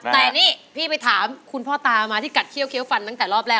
แต่นี่พี่ไปถามคุณพ่อตามาที่กัดเขี้ยเคี้ยวฟันตั้งแต่รอบแรก